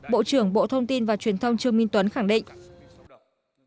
bộ trưởng bộ thông tin và truyền thông trương minh tuấn khẳng định